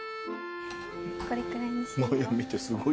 これくらいにしよう。